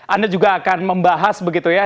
anda juga akan membahas begitu ya